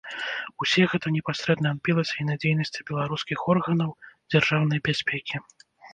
Усе гэта непасрэдна адбілася і на дзейнасці беларускіх органаў дзяржаўнай бяспекі.